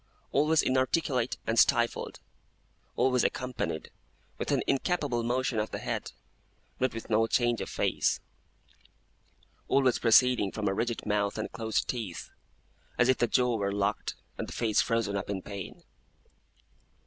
Always inarticulate and stifled. Always accompanied with an incapable motion of the head, but with no change of face. Always proceeding from a rigid mouth and closed teeth, as if the jaw were locked and the face frozen up in pain.